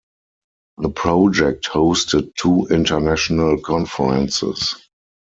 The project hosted two international conferences.